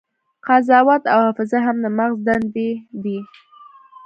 قضاوت او حافظه هم د مغز دندې دي.